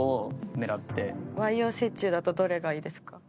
和洋中だとどれがいいですか？